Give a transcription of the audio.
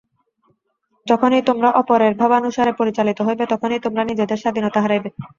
যখনই তোমরা অপরের ভাবানুসারে পরিচালিত হইবে, তখনই তোমরা নিজেদের স্বাধীনতা হারাইবে।